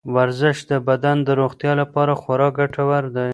ورزش د بدن د روغتیا لپاره خورا ګټور دی.